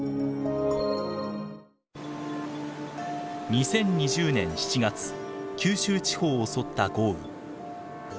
２０２０年７月九州地方を襲った豪雨。